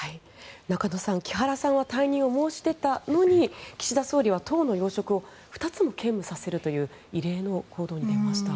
中野さん木原さんは退任を申し出たのに岸田総理は党の要職を２つも兼務させるという異例の行動に出ました。